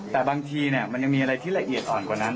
แต่บางทีมันยังมีอะไรที่ละเอียดอ่อนกว่านั้น